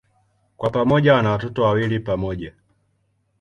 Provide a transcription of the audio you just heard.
Kwa pamoja wana watoto wawili pamoja.